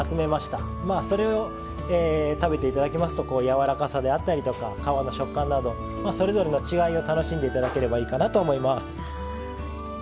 それを食べて頂きますとやわらかさであったり皮の食感などそれぞれの違いを楽しんで頂ければいいかなと思います。